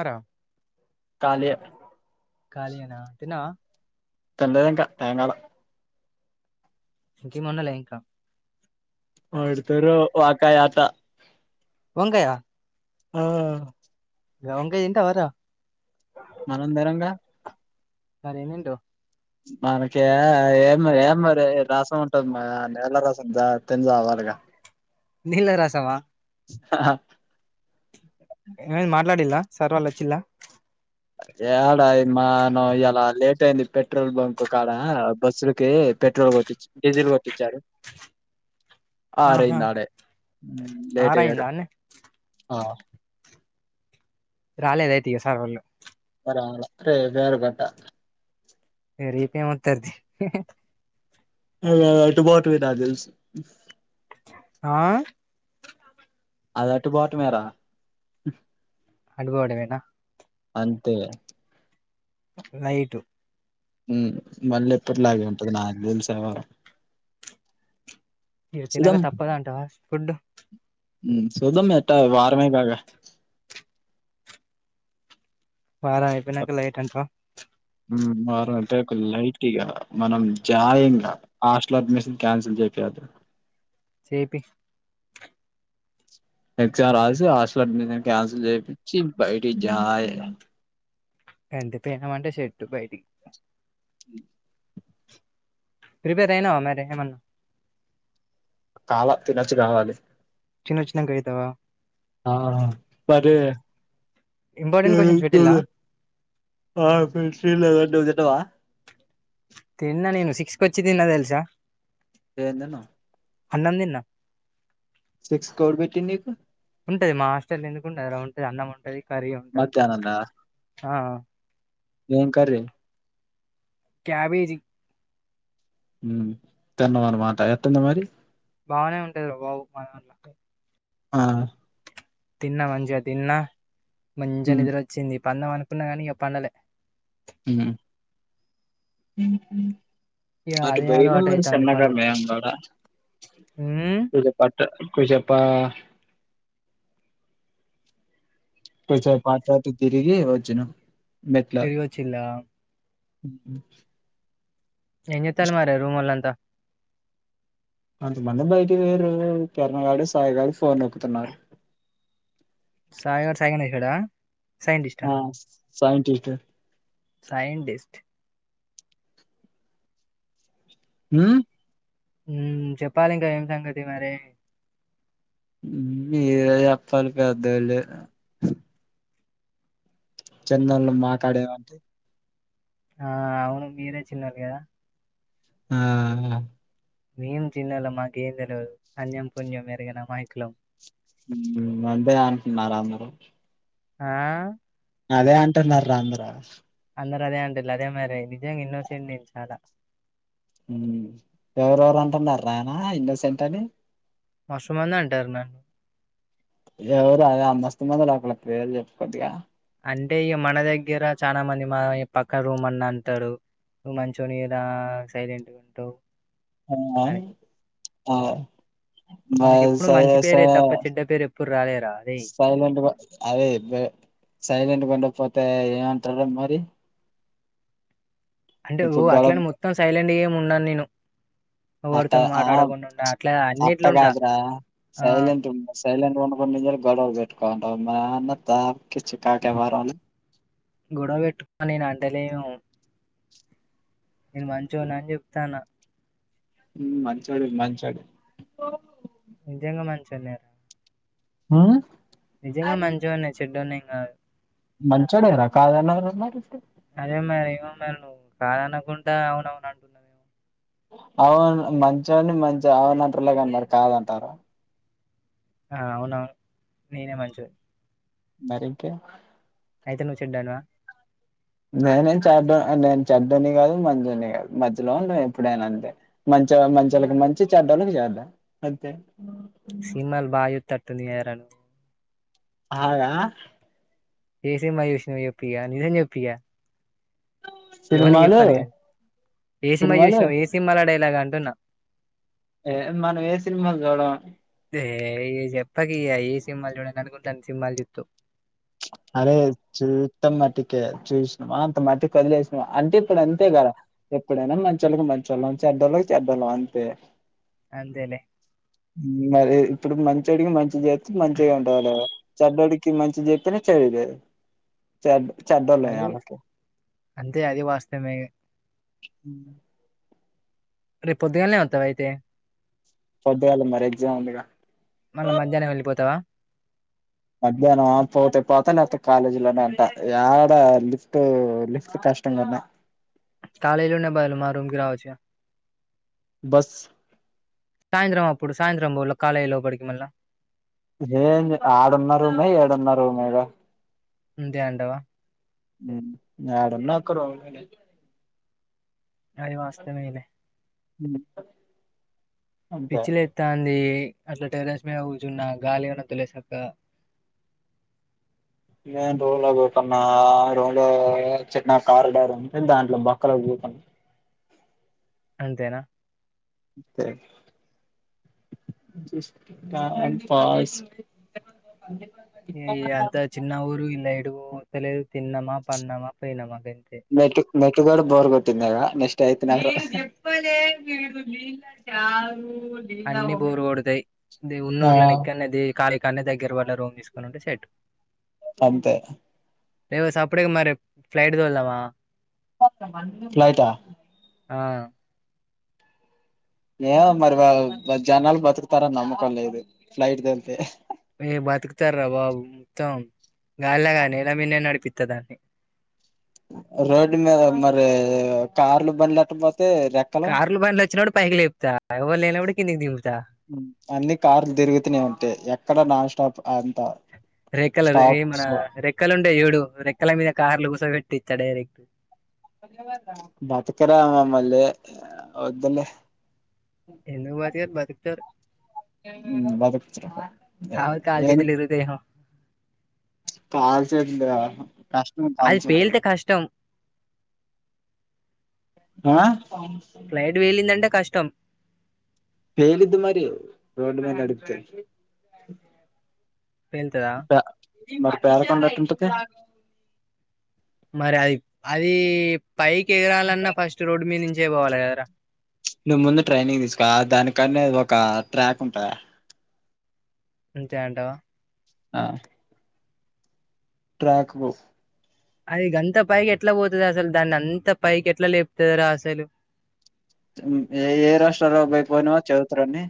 అర కాలియ కాళీయేనా తిన్నవా తండే దిమ్కా టైమ్ కాల ఇంకేముండేలే ఇంకా వాడుతరు వాకాయత వంకాయ ఆ గా వంకయ దింటవరా మనం తినంగా మరేం తింటావ్ మనకి ఏం ఏం రసం ఉంటది మ నీల రసం తిని చావాలి నీళ్ల రసమా ఆ ఏ మాట్లాడిల్లా సర్ వాళ్ళు వచ్చిలా యాడా ఇ మానవ ఇలా లేట్ అయింది పెట్రోల్ బంక్ కాడా బస్సులకి పెట్ పెట్రోల్ కొట్టొచ్చి డిజెల్ కొట్టిచ్చి ఆహా ఆరైంది ఆడే లేేట్ ఆర్ అయ్యారు అయిందా అన్నే రాలేదైతే ఇగ సార్ వాళ్ళు గట్ట పెరిగితేయేమవుతాది అట్టు బటావి నాకు తెలుసు ఆ అది అట్టుబోటమే రా అనుభవడమేనా అంతే లైటు మళ్ళీ ఎప్పటిలాగే ఉంటది నాలుగు శనివారం ఇగ తినక తప్పదా అంటావా ఫుడ్ చూదం ఏట వారమేగా పగలైపోయినక లైటెంటవ్ వారు అంటే ఒక లైట్గా మనం జాయంగా హాస్టల్ అడ్మిషన్ క్యాన్సిల్ చెపియదు చెప్పి ఎక్జామ్ రాసి హాస్టల్ అడ్మిషన్ క్యాన్సిల్ చేపించి బయటి జాఏ ఎంటపోయినం అంటే షర్ట్ బయటికి అ ప్రిపేయర్ అయినవ మరి ఎగ్జామ్ అన్నావ్ కాల తినచుకగని తినొచ్చినంక అయితవా ఆ మరే ఇంపార్టెంట్ క్వశ్చన్స్ పిజ్జా పెట్టిల్లా అలాంటివి తిన్నావా తిన్నా నేను సిక్స్ కొచ్చి తిన్ననేను తెలుసా ఎంతిన్నావ్ అన్నం తిన్న సిక్స్ కి ఎవరు పెట్టిరు నీకు ఉంటది మా హాస్టలో ఎందుకుండదురా అన్నం ఉంటంది కర్రీ ఉంటది మధ్యాహ్నం దా ఆ ఏం కర్రీ క్యాబేజి తిన్నావా అన్నమాట ఎంతతినవ్ మరి బానే ఉంటది అబ్బా ఉపమాన్నక ఆ తిన్న మంచిగా తిన్నా మంచిగా ఉమ్ నిద్ర వచ్చింది పందం అనుకున్న కానీ ఇక పందలే ఉమ్ ఇక మాకు అదే అలవాటు బైలుల అయితాంది సన్నగా పండుడు మేం కూడా ఉమ్ కొంచెంప కొంచెం పర్కంత తిరిగి వచ్చిన పెరిగి వచ్చిలా హ ఏం చేస్తారు మరి రూమ్ వాళ్ళు అంతా కొంతమంది బయటి పొయ్యారు కిరణగాడు సాయి గాడు ఫోన్ నొక్కుతున్నారు సాయిగాడు సాయిగానే ఎసిరా ఆ సైన్ టిటా సైంటిస్ట్ ఉమ్మ్ ఉ చెప్పాలి ఇంకా ఏం సంగతి మరి మీరే చెప్పాలి పెద్దళ్ళు చెన్నళ్లు మక్కడ ఏం ఉంది ఆ అవును మీరే చిన్నోళ్లు కదా ఆ ఏం చిన్నోలం మాకేం తెల్వదు అన్యం పుణ్యం ఎరుగని అమాయకులం అదే అంటున్నారా అందరు ఆ అదే అంటున్నారు అందరు అందరు అదే అంటు అదే మరి నిజంగా ఇన్నోసెంటు నేను చాలా ఎవరెవరు అంటున్నారు రానా ఇన్నోసెంట్ అని మస్తుమంది అంటారు నన్ ఎవరు ఆ అదే మస్త మందుల పేర్లు చెప్పుకోద్గా అంటే ఇగా మన దగ్గర చానా మంది మా పక్క రూమ్ అన్నా అంటాడు నువ్వు మంచోనివి రా సైలెంట్గా ఉంటావు ఆ అని ఆ ఉమ్. మ మనకి స ఎప్పుడు మంచి స పేరే తప్ప చెడ్డ పేరు ఎప్పుడు రాలేరా అదే సైలెంట్ గా అదే సైలెంట్ గా ఉండక పోతే ఏమంటారు మరి అంటే ఇప్పుడు గొడవ అట్లానే మొత్తం సైలెంట్ ఏం ఉండన్ నేను అట్ట ఎవరితో ఆ మాట్లాడకుండా ఉంటా అట్లా అన్నిట్లుంటా అట్టకాదురా ఆ, సైలంట్ ఉ సైలంట్ జరు గడవ పెట్కోంటా మనం ధా గొడవ పెట్టుకోని నేన్ అంటలేను నేను మంచోనని చెప్తాన్న మంచోడివి మంచోడీవి నిజంగా మంచి అన్నారు ఆ నిజంగా మంచొన్నే చెడ్డోడ్ని కాదు మంచోడే రా కాదు అన్నారట్ల అదే మరి ఏమో మ నువ్వు కాదనుకుండా అవునవున అంటున్నవ్ అవును మంచి అని మంచి అవునంటర్లాగా అన్నారు కాదంటార ఆ అవునవును నేనే మంచోన్నీ మరి ఇంకే అయితే నువ్వు చెడ్డోనివా నేనే చడ నేను చెడ్డని కాదు మంచోని కాదు మధ్యలో ఎప్పుడైనా అంతే మ చొ మంచోళ్ళకు మంచి చెడ్డోలకి చెడ్డ అంతే సినీమల్ బా హిట్ వస్తాది కదరా అవునా ఏ సినిమా చూసినవి క నిజం చెప్పు ఇగా ఎవళ సినిమాలు చెప్పాను కానీ ఏ సినిమా సినిమాలు చూసినావు ఏ సినిమాాల డైలాగ్ అంటున్నా ఏ మనం ఏ సినిమాలు చూడము ఏ చెప్పక ఏ సినిమాలు చూడని అనుకుంటాను సినిమాలు చుత్తూ అరే చూస్తాం మట్టికే చూసినాం అంత మట్టికి వదిలేసినాం అంటే ఇప్పుడు అంతే కదా ఎప్పుడైనా మంచళ్ళకి మంచోళ్ళ చెడ్డోళ్ళకి చెడ్డోళ్ళం అంతే అంతేలే మరి ఇప్పుడు మంచోడికి మంచి చేత్తె మంచిగా ఉంటాట చెడ్డోడికి మంచి చే ఇతనే చెయిదే చె అది అంతే అది వాస్తమే రేపు పొద్దుగాల్నే వత్తవా అయితే పొద్దుగాల మరి ఎగ్జామ్ ఉందిగా మళ్ళా మధ్యాహ్నం వెళ్ళిపోతావా మధ్యాహ్నం ఆ పోతే పోత లేతే కాలేజీ లోనే అంట ఎడా లిఫ్ట్ లిఫ్ట్ క కష్టంగాద కాలేజీలుండే బాద్లు మా రూమ్కిరావచ్చుగా బస్ సాయంత్రం అప్పుడు సాయంత్రం పోల కాలేయ్ లోపటికి మళ్ళా ఏంది ఆడున్నా రుమే ఏడున్నారుమేగా అంతే అంటవా యడున్నా ఒక రూమినే అది వాస్తమేలే ఉమ్ పిచ్చిలేత్తంది అట్లా టెర్రస్ మీద కుచున్న గాలి గన్నత్తలేద్ సక్కగా నేను రూంలో కుసున్నాన్ ఆ రోంలో రోజ చిన్న కారిడా ఉంటె దాంట్లో బక్కర అంతేనా ంతే టై పాస్ ఏ ఇదంత చిన్న ఊరు ఇండ్ల ఎడు పోవత్తలేదు తిన్నమా పన్నమా పొయినమ గ బైట్ నెట్టు గడ బోర్ కొట్టింద్ గదా నెక్ట్ ఐత్ నాక్ అన్ని బోర్ కొడతై దే ఆ ఉన్నూర్లనే ఇక్కన్నే దే కారి కాన్నే దగ్గర వాళ్ళ రూమ్ తీసుకునింటే సెట్ అంతే ఎవో సప్పుడేక మరి ఫ్లైట్తోళ్దమా ఫ్లైటా ఆ ఏమో మరి వాల్ వాళ్ జనాలు బతుకుతారని నమ్మకం లేదు ఫ్లైట్ తోల్ళ్తే ఏ బత్కతరాబాబు త్తమ్ గాల్ల గాద్ నెల మీన్నే నడిపిత్త దాన్ని రోడ్ మీద మరి కార్లు బండ్లు ఎట్ట పో కార్లు బండ్లు వచ్చినప్పుడు పైకి లేపుతా ఎవరు లేనప్పుడు కిందికి దింపుతా అన్ని కార్లు తిరుగుతూనే ఉంటై ఎక్కడ నాన్ స్టాప్ అంతా రెక్కల్లర్ ఏం రా రెక్కలు ఉంటై చూడు రెక్ క్కల మీద కార్లు కూసో పెట్టిత్తా డైరెక్ట్ బతకరా మమ్మళ్లే వద్దులే ఎందుక్ బతకర్ బతుకుతర్ ఉమ్ బద్కుత కాకపోతే కాలు ఎన్ చేతులు ఇరుగుతాయేమో కాల్స్ండ్ రా కష్టం కాల్ అది సెత్లు పేలితే కష్టం ఆ ఫ్లైట్ వెల్లిందంటే కష్టం పేలిద్ది మరి రోడ్డు మీద నడ్పితే వెళ్తుదా మరి పేర కొండ ఎటుంటది. మరి అది అది పైకి ఎగరాలన్నా ఫస్ట్ రోడ్డు మీద నుంచే పోవాలి కదరా నువ్ ముందు ట్రైనింగ్ తీసుకో దానికన్నా ఒక ట్రాక్ ఉంటంద అంతే అంటావా ఆ ట్రాక్కువు అది అంత పైకి ఎట్లా పోతుంది అసలు దాన్ని అంత పైకి ఎట్లా లేపుతుంది రా అసలు ఏ ఏ రాష్ట్రలకు పోయినవ్ చ ప్రణి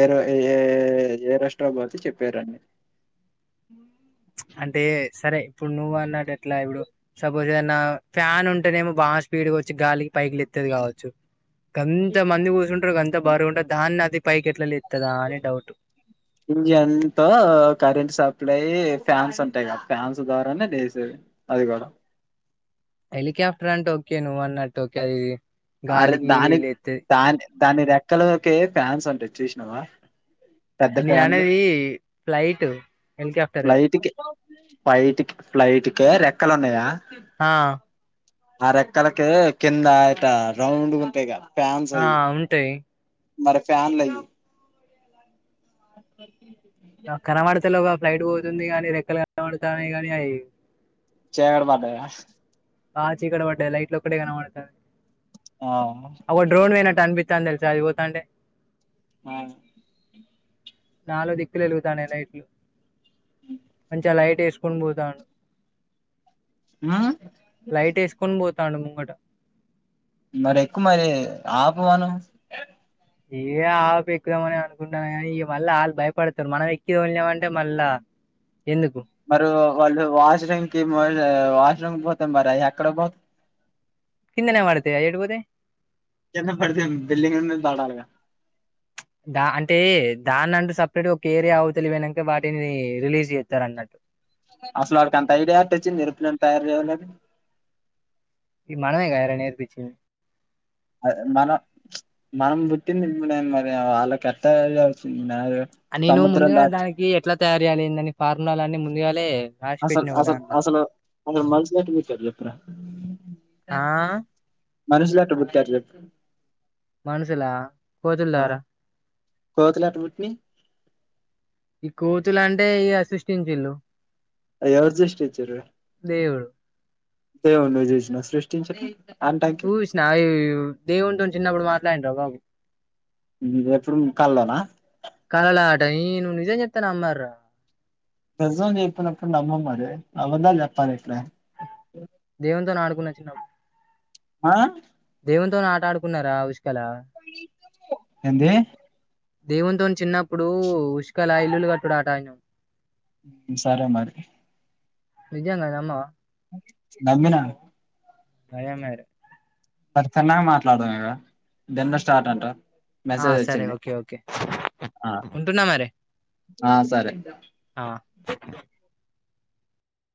ఏ ఏ ఏ రాష్ట్ర పోతేకి చెప్పారుడి హ అంటే సరే ఇప్పుడు నువ్వు అన్నాడు ఎట్లా ఇప్పుడు సపోజ్ ఏదనా ఫ్యాన్ ఉంటేనేమో బాగా స్పీడ్గా వచ్చి గాలి పైకిలు ఎత్తేది కావచ్చు ఎంత మంది కూర్చుంటారు అంత బరుగా ఉంటంది దాన్ని అది పైకి ఎట్లా లేత్తదా అని డౌట్ ఇంజన్ంత కరెంట్ సా డాయి ఫ్యాన్స్ అంటాయి కదా ఫ్యాన్స్ ద్వారానే లేసేది అది కూడా హలికాప్టర్ అంట ఓకే నువ అన్ నట్ ఓకే అది అరే గాలికి దాని లేత్తది దాని దాని రెక్కలోకే ఫ్యాన్స్ ఉంటాయి చూసినావా? పెద్ద నేను ఫ్యాన్లు అన్నది ఫ్లైట్ హెలికాప్టర్ కాదు ఫ్లైట్ కి ఫ్లైట్ కి రెక్కలు ఉన్నాయా? ఆ ఆ రెక్కలకె కింద ఆయిత రౌం గుంతా ఇకా ఆ ఉంటాయి మరి ఫ్యాన్ లేై ఓకే కనమడత లో ఒక ఫ్లైట్ పోతుంది కానీ రెక్కలు కనబడతానే కాగానీ అవి చీడ పడ్డద ఆ చీకడ పడ్డే లైట్ అక్కడ కనపడతది ఆ ఆ డ్రోన్ వేనంట అన్పి తను తెలిస అయిపోతాంటే ఆ నాలో దిక్కులు వెలుగుతానే లైట్లు మంచిగా లైట్ చేసుకున్ పోతాను ఆ లైట్ వేసుకొని పోతాడు ముంగట మరి ఎక్కు మరి ఆపువాను ఇవే ఆప ఎక్కుదామని అనుకుంటాను కానీ ఇక మళ్ళీ వాళ్ భయపడుతుారు మనం ఎక్కిద వెళ్ళామంటే మళ్ళా ఎందుకు మరి వాళ్ళు వాష రంగ్ కి మరే వా ఇట్లం బొత మరి అక్కడ బొ కిందనే మడతేయా ఏడబోదె చిన్నగా పడితే బిల్డింగ్ మీద పడాలిగా దా అంటే దాన్ని అంటూ సపరేట్గా ఒక ఏరియా అవ తెలి పోనాక వాటిని రిలీజ్ చేస్తారు అన్నట్టు అసలు ఆడికి అంత ఐడియాట్టచ్చ నిరుపులం తయారు చేన ఈ మనమేకార నేర్పిచ్చి అద మనం మనం పుట్టింది మరి వాళ్ళకిట్టవుతుంది. నేను ముందుగానే దానికి ఎట్లా తయారు చేయాలిందని ఫార్ములాల అన్ని ముందుగానే అసలు అసలు అసలు అసలు మనసునట్ విచ్చారు చెప్పురా ఆ మనసులాట్ట బు క్యాట్లు మనసులా కోజల్ దారా కోతులటుమిట్ని ఈ కూతులు అంటే ఇ అ సృష్టించల్ళు అయి ఏవరు సృష్టించురు దేవుడు ఏవన్న జూసిన సృస్టించే చూసిన అవి దేవుంటు చిన్నప్పుడు మాట్లాడిన రావు బాబు ఎప్పుడు కల్లోనా డై నువ్వు నిజం చెప్తాను అమ్మర నిజం చెప్పనప్పుడు నమ్మమరి అబద్దాలు చెప్తాది దేవుంతోఆడుకోని వచ్చినాం ఆ దేవునితోఆట ఆడుకున్నారా? ఉసుకలా ఏంది దేవుంతో చిన్నప్పుడు ఉసుకాల ఇల్లులు కట్టుడు ఆటానామ్ సరే మరి నిజంగాద్ అమ్మ దమ్మినా ఆయామెరి మరి చిన్నగా మాట్లాడదాం ఇద దెన్లో స్టార్ట్ అంటా ఆ సరే ఓకే ఓకే ఆ ఉంటున్నా మరి ఆ సరే ఆ